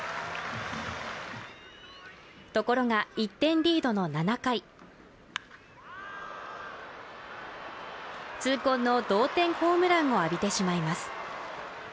ところが１点リードの７回、痛恨の同点ホームランを浴びてしまいます。